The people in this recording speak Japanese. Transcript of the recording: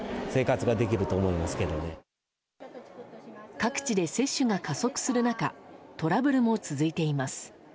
各地で接種が加速する中トラブルも続いています。